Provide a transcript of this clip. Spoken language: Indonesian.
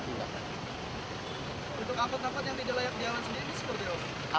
untuk angkot angkot yang tidak layak jalan sendiri seperti apa